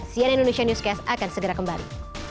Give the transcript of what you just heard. cnn indonesia newscast akan segera kembali